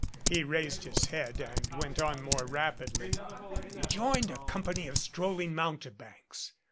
He raised his head and went on more rapidly. "We joined a company of stroll ing mountebanks.